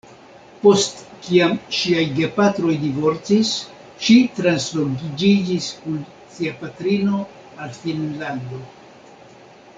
Post kiam ŝiaj gepatroj divorcis ŝi transloĝiĝis kun sia patrino al Finnlando.